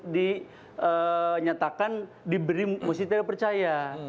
dinyatakan diberi musik tidak percaya